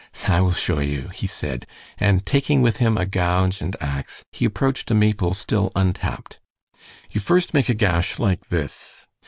"I will show you," he said, and taking with him a gouge and ax, he approached a maple still untapped. "You first make a gash like this."